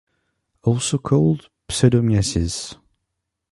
Also called pseudomyiasis.